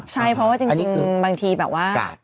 ใช่เพราะว่าจริงบางทีแบบว่า